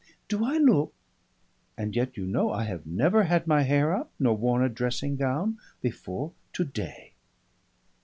Do I look ? And yet you know I have never had my hair up, nor worn a dressing gown before today."